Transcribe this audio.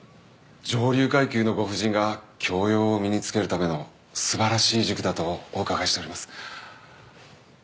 上流階級のご婦人が教養を身につけるための素晴らしい塾だとお伺いしております。